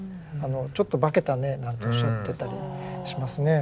「ちょっと化けたね」なんておっしゃってたりもしますね。